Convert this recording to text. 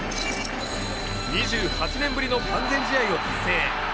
２８年ぶりの完全試合を達成